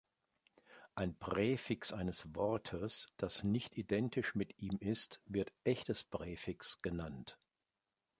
Ein Präfix eines Wortes, das nicht identisch mit ihm ist, wird "echtes Präfix" genannt.